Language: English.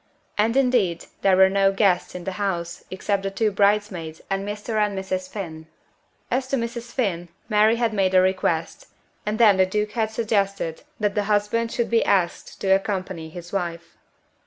And indeed there were no guests in the house except the two bridesmaids and Mr. and Mrs. Finn. As to Mrs. Finn, Mary had made a request, and then the Duke had suggested that the husband should be asked to accompany his wife.